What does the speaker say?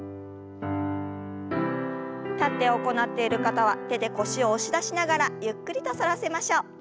立って行っている方は手で腰を押し出しながらゆっくりと反らせましょう。